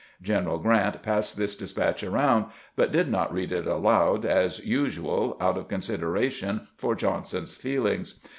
General Grant passed this despatch around, but did not read it aloud, as usual, out of consideration for Johnson's feelings.